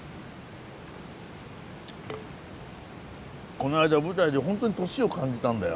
こないだ舞台でホントに年を感じたんだよ。